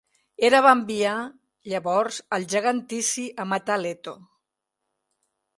Hera va enviar llavors el gegant Tici a matar Leto.